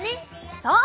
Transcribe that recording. そう！